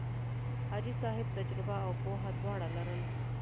حاجي صاحب تجربه او پوه دواړه لرل.